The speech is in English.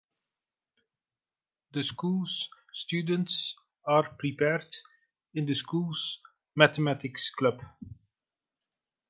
The school's students are prepared in the school's Mathematics Club.